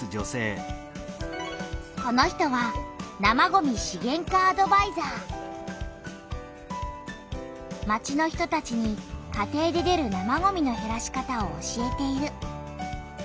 この人は町の人たちに家庭で出る生ごみのへらし方を教えている。